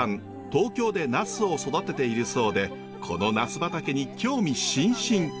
東京でナスを育てているそうでこのナス畑に興味津々。